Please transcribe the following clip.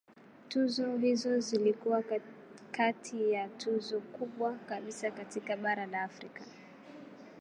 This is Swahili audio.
Tuzo hizo zilikuwa kati ya tuzo kubwa kabisa katika bara la Afrika.